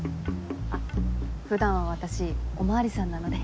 あっ普段は私お巡りさんなので。